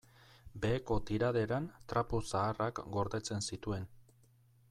Beheko tiraderan trapu zaharrak gordetzen zituen.